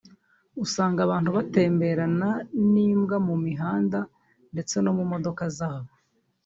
usanga abantu batemberana n’imbwa mu mihanda ndetse no mu modoka zabo